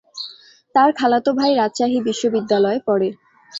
তার খালাতো ভাই রাজশাহী বিশ্বনিদ্যালয়ে পড়ে।